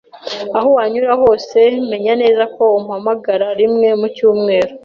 Aho wanyura hose, menya neza ko umpamagara rimwe mu cyumweru.